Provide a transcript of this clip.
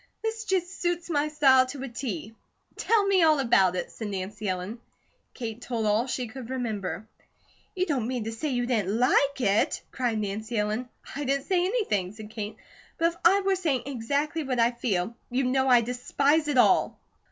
This just suits my style to a T." "Tell me about it," said Nancy Ellen. Kate told all she could remember. "You don't mean to say you didn't LIKE it?" cried Nancy Ellen. "I didn't say anything," said Kate, "but if I were saying exactly what I feel, you'd know I despise it all."